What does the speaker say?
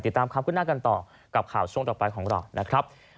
ติดตามความขึ้นหน้ากันต่อกับข่าวช่วงต่อไปของเรานะครับ